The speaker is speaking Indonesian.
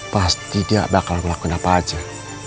pasti dia bakal melakukan apa aja